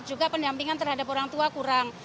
juga pendampingan terhadap orang tua kurang